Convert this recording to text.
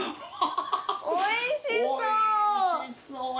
おいしそう！